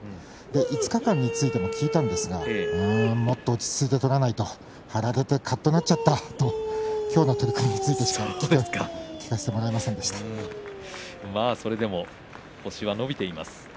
５日間についても聞いたんですがうーん、もっと落ち着いて取らないと張られてカッとなっちゃったと今日の取組についてそれでも星は伸びています。